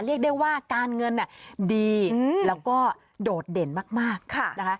เรียกได้ว่าการเงินดีแล้วก็โดดเด่นมากนะคะ